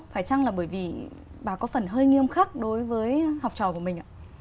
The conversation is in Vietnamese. phải chăng là bởi vì bà có phần hơi nghiêm khắc đối với học trò của mình ạ